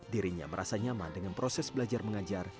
dirinya merasa nyaman dengan proses belajar mengajar